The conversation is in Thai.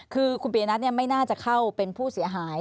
คือคุณปียนัทไม่น่าจะเข้าเป็นผู้เสียหาย